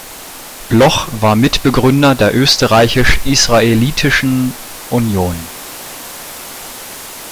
Bloch war Mitbegründer der Österreichisch-Israelitischen Union.